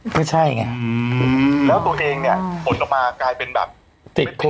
คือใช่ไงแล้วตัวเองอดออกมากลายเป็นติดพุน